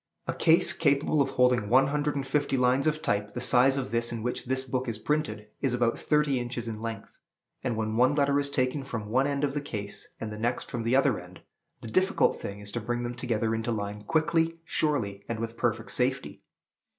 A case capable of holding one hundred and fifty lines of type the size of this in which this book is printed is about thirty inches in length; and when one letter is taken from one end of the case and the next from the other end, the difficult thing is to bring them together into line quickly, surely, and with perfect safety.